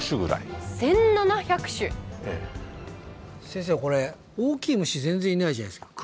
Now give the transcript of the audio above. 先生これ大きい虫全然いないじゃないですか。